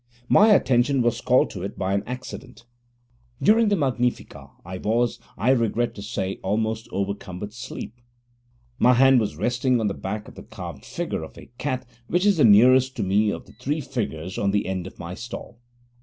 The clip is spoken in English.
My attention was called to it by an accident. During the Magnificat I was, I regret to say, almost overcome with sleep. My hand was resting on the back of the carved figure of a cat which is the nearest to me of the three figures on the end of my stall.